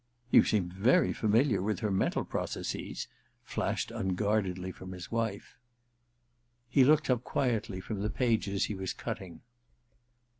•You seem very familiar with her mental processes !' flashed unguardedly from his wife. He looked up quietly from the pages he was cutting.